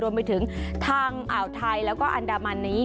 รวมไปถึงทางอ่าวไทยแล้วก็อันดามันนี้